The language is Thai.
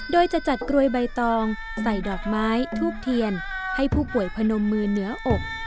โดยจะจัดกรวยใบตองใส่ดอกไม้ทูบเทียนให้ผู้ป่วยพนมมือเหนืออบ